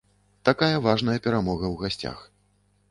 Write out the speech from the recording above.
Такая важная перамога ў гасцях.